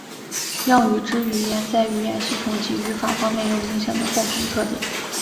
羌语支语言在语音系统及语法方面有明显的共同特点。